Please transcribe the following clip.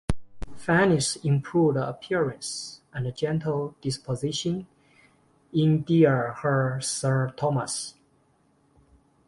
Fanny's improved appearance and gentle disposition endear her to Sir Thomas.